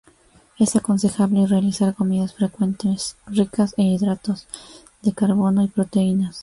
Es aconsejable realizar comidas frecuentes ricas en hidratos de carbono y proteínas.